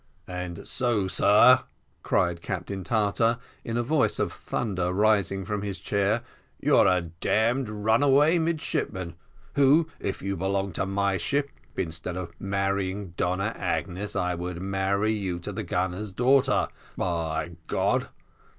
"And so, sir," cried Captain Tartar, in a voice of thunder, rising from his chair, "you're a damned runaway midshipman, who, if you belonged to my ship, instead of marrying Donna Agnes, I would marry you to the gunner's daughter, by God!